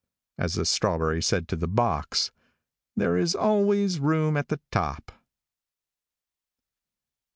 As the strawberry said to the box, "there is always room at the top."